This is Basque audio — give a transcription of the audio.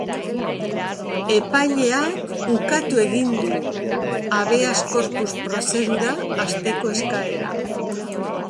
Epaileak ukatu egin du habeas corpus prozedura hasteko eskaera.